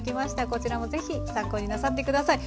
こちらもぜひ参考になさって下さい。